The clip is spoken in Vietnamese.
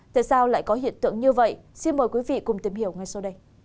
tại sao lại có hiện tượng như vậy xin mời quý vị cùng tìm hiểu ngay sau đây